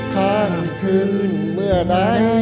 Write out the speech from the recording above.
ข้างคืนเมื่อไหน